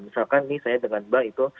misalkan nih saya dengan mbak itu